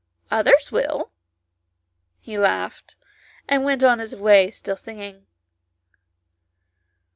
" Others will;" he laughed, and went on his way still singing.